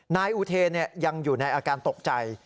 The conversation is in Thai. นายอุเทนยังอยู่ในอาการตกใจ